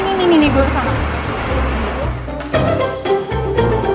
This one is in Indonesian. ntar balik jalan masih aja